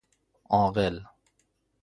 عاقل